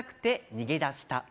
「逃げ出した」